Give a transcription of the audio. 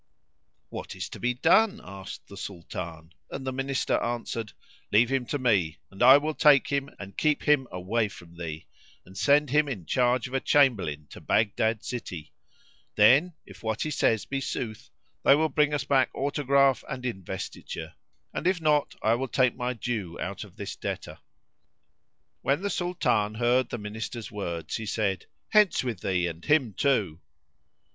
"What is to be done?" asked the Sultan, and the Minister answered, "Leave him to me and I will take him and keep him away from thee, and send him in charge of a Chamberlain to Baghdad city. Then, if what he says be sooth, they will bring us back autograph and investiture; and if not, I will take my due out of this debtor." When the Sultan heard the Minister's words he said, "Hence with thee and him too."